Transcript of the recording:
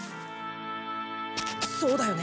そうだよね。